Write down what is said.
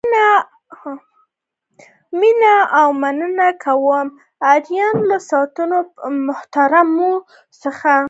مینه او مننه کوم آرین له تاسو محترمو څخه.